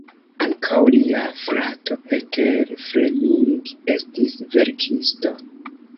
Ankaŭ lia frato Peter Fleming estis verkisto.